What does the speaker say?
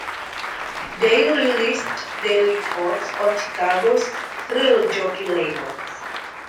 They released their records on Chicago's Thrill Jockey label.